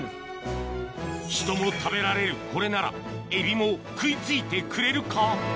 人も食べられるこれならエビも食い付いてくれるか？